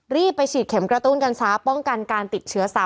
รีบไปฉีดเข็มกระตุ้นกันซะป้องกันการติดเชื้อซ้ำ